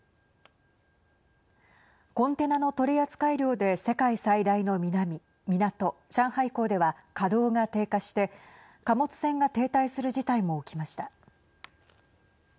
コンテナの取り扱い量で世界最大の港上海港では稼働が低下して貨物船が停滞する事態も起きました。